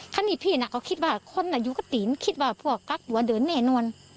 เพราะนี่พี่น่ะก็คิดว่าคนอายุกระตินคิดว่าพวกกักหัวเดินแน่นอน